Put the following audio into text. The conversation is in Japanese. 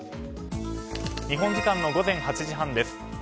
日本時間の午前８時半です。